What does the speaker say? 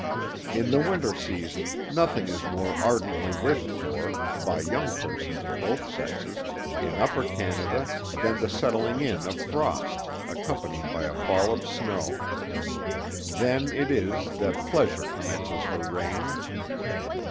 In the winter season, nothing is more ardently wished for, by young persons of both sexes, in Upper Canada, than the setting in of frost, accompanied by a fall of snow. Then it is, that pleasure commences her reign.